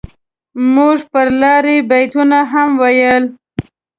موږ پر لاره بيتونه هم ويل.